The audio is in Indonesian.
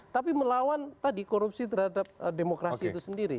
tapi melawan tadi korupsi terhadap demokrasi itu sendiri